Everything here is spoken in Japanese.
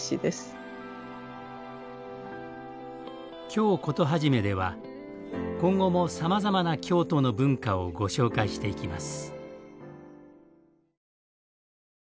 「京コトはじめ」では今後もさまざまな京都の文化をご紹介していきます。